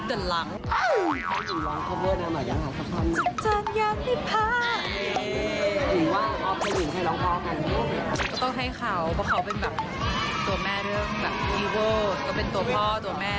ต้องให้เขาเพราะเขาเป็นแบบตัวแม่เรื่องตัวพ่อตัวแม่